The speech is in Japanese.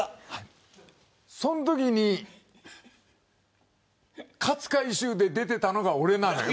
そのときに勝海舟で出てたのが俺なのよ。